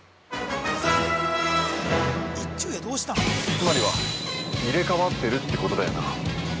◆つまりは、入れかわってるってことだよな。